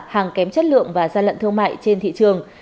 hàng kém chất lượng và gian lận thương mại trên thị trường